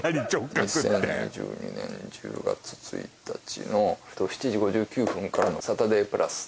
２０２２年１０月１日の７時５９分からの「サタデープラス」